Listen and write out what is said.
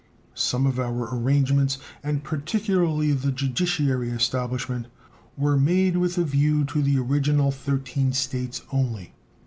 Some of our arrangements, and particularly the judiciary establishment, were made with a view to the original thirteen States only.